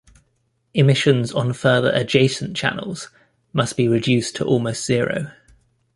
Emissions on further adjacent channels must be reduced to almost zero.